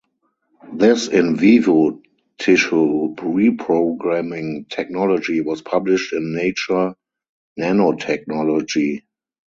This in vivo tissue reprogramming technology was published in Nature Nanotechnology.